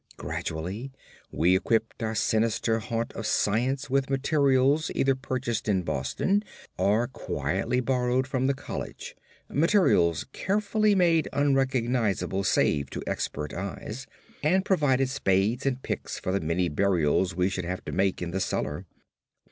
Gradually we equipped our sinister haunt of science with materials either purchased in Boston or quietly borrowed from the college—materials carefully made unrecognisable save to expert eyes—and provided spades and picks for the many burials we should have to make in the cellar.